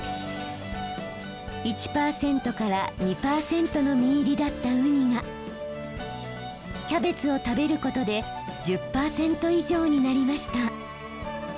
１％から２％の身入りだったウニがキャベツを食べることで１０％以上になりました。